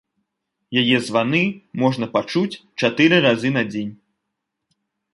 Яе званы можна пачуць чатыры разы на дзень.